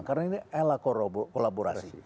karena ini elak kolaborasi